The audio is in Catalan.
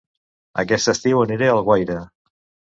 Aquest estiu aniré a Alguaire